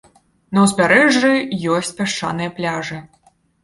На ўзбярэжжы ёсць пясчаныя пляжы.